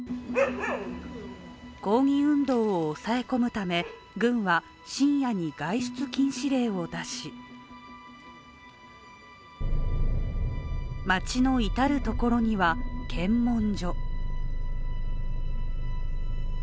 抗議運動を抑え込むため軍は深夜に外出禁止令を出し街の至る所には検問所。